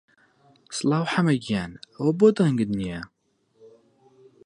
سڵاو حەمە گیان، ئەوە بۆ دەنگت نییە؟